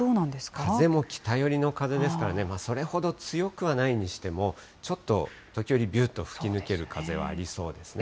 風も北寄りの風ですからね、それほど強くないにしても、ちょっと時折、びゅーっと吹き抜ける風はありそうですね。